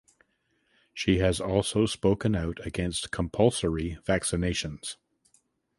She has also spoken out against compulsory vaccinations.